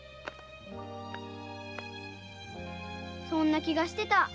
そんな気がしてた。